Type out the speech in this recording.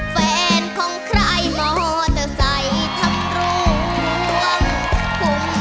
แฟนของใครมอเตอร์ไซค์ทำรวง